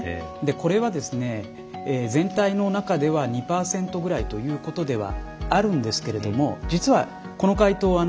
これは全体の中では２％ぐらいということではあるんですけれども実はこの回答